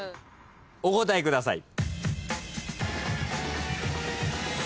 お答えください。